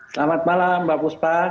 selamat malam mbak fuspa